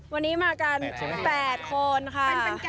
วันนี้มากัน๘คนค่ะ